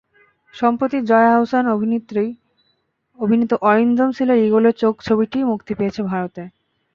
সম্প্রতি জয়া আহসান অভিনীত অরিন্দম শীলের ইগলের চোখ ছবিটি মুক্তি পেয়েছে ভারতে।